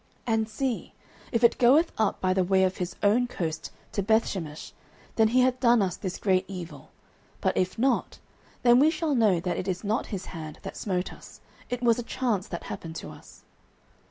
09:006:009 And see, if it goeth up by the way of his own coast to Bethshemesh, then he hath done us this great evil: but if not, then we shall know that it is not his hand that smote us: it was a chance that happened to us.